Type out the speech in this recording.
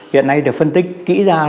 hiện nay được phân tích kỹ ra